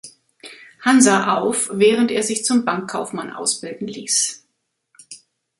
Hansa auf, während er sich zum Bankkaufmann ausbilden ließ.